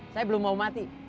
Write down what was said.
saya belum mau mati